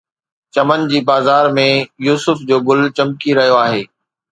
چمن جي بازار ۾ يوسف جو گل چمڪي رهيو آهي